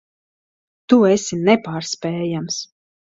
Tu esi nepārspējams.